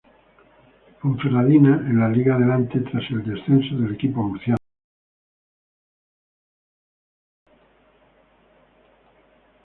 Ponferradina en la Liga Adelante, tras el descenso del equipo murciano.